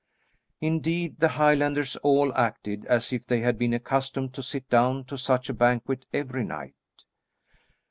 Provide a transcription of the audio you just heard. Indeed, the Highlanders all acted as if they had been accustomed to sit down to such a banquet every night.